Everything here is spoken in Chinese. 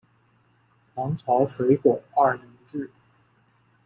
唐朝垂拱二年置。